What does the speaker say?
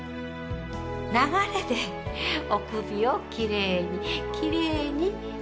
流れでお首をきれいにきれいに。